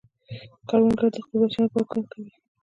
کروندګر د خپلو بچیانو لپاره کار کوي